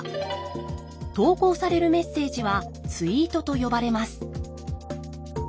投稿されるメッセージはツイートと呼ばれます。